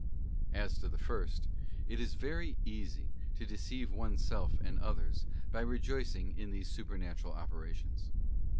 As to the first, it is very easy to deceive oneself and others, by rejoicing in these supernatural operations.